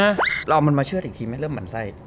เราเอามันมาเชื่อดอีกทีไหมเริ่มหมั่นไส้